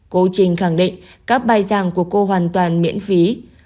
cô trình khẳng định các bài giảng của cô hoàn toàn miễn phí